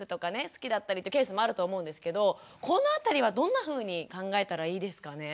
好きだったりってケースもあると思うんですけどこの辺りはどんなふうに考えたらいいですかね？